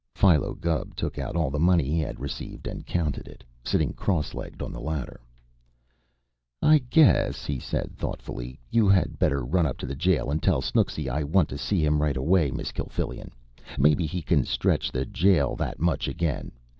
Philo Gubb took out all the money he had received and counted it, sitting cross legged on the ladder. "I guess," he said thoughtfully, "you had better run up to the jail and tell Snooksy I want to see him right away, Miss Kilfillan. Maybe he can stretch the jail that much again.